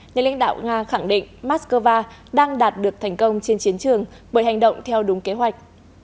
nhà lãnh đạo nga khẳng định moscow đang đạt được thành công trên chiến trường bởi hành động theo đúng kế hoạch